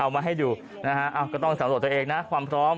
มาให้ดูนะฮะก็ต้องสำรวจตัวเองนะความพร้อม